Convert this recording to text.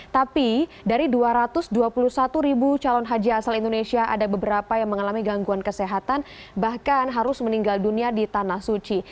tapi dari dua ratus dua puluh satu ribu calon haji asal indonesia ada beberapa yang mengalami gangguan kesehatan bahkan harus meninggal dunia di tanah suci